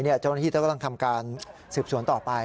เจ้าหน้าที่ก็กำลังทำการสืบสวนต่อไป